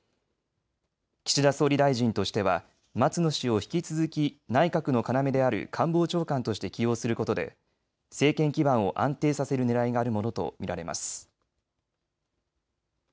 岸田総理大臣としては松野氏を引き続き内閣の要である官房長官として起用することで政権基盤を安定させるねらいがあるものと見られます。